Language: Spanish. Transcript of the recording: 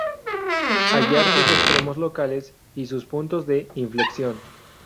Hallar sus extremos locales y sus puntos de inflexión.